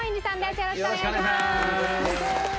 よろしくお願いします。